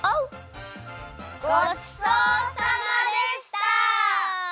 ごちそうさまでした！